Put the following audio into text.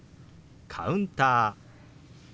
「カウンター」。